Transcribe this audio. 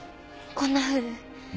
こんなふう？